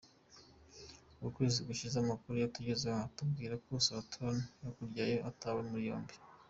Ukwezi gushize amakuru yatugezeho atubwira ko Straton Ndikuryayo yatawe muri yombi.